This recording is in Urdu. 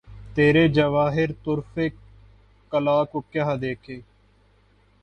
تیرے جواہرِ طُرفِ کلہ کو کیا دیکھیں!